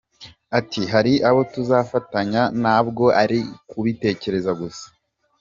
Ati “Hari abo tuzafatanya, ntabwo ari ukubitekereza gusa.